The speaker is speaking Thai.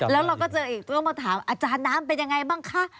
แล้วเราก็เจออีกต้องมาถามอาจารย์น้ำเป็นยังไงบ้างคะ